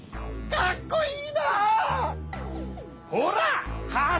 かっこいい！